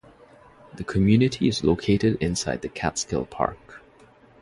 The community is located inside the Catskill Park.